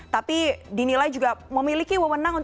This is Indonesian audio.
tapi dinilai juga memiliki wewenang